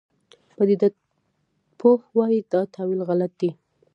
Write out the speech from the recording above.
پدیده پوه وایي دا تاویل غلط دی.